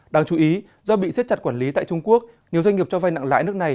đáng chú ý do bị siết chặt quản lý tại trung quốc nhiều doanh nghiệp cho vai nặng lãi nước này